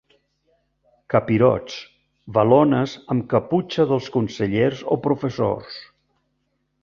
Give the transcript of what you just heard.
Capirots, valones amb caputxa dels consellers o professors.